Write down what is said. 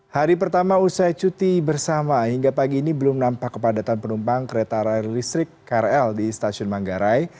hari pertama usai cuti bersama hingga pagi ini belum nampak kepadatan penumpang kereta rail listrik krl di stasiun manggarai